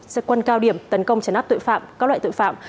xe quân cao điểm tấn công trấn áp tội phạm các loại tội phạm